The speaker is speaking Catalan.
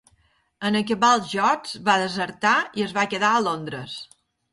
En acabar els Jocs va desertar i es va quedar a Londres.